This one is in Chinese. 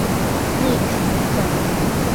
丽肯可